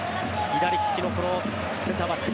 左利きのセンターバック。